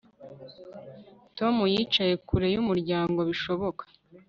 Tom yicaye kure yumuryango bishoboka